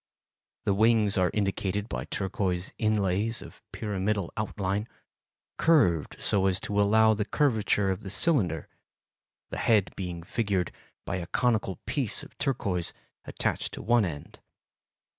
The wings are indicated by turquoise inlays of pyramidal outline, curved so as to follow the curvature of the cylinder, the head being figured by a conical piece of turquoise attached to one end.